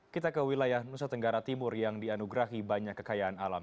kita ke wilayah nusa tenggara timur yang dianugerahi banyak kekayaan alam